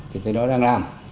thì cái đó đang làm